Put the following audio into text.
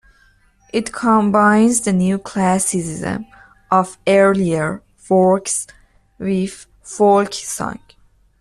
It combines the neo-classicism of earlier works with folk song.